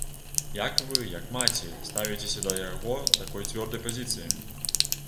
Як вы, як маці, ставіцеся да яго такой цвёрдай пазіцыі?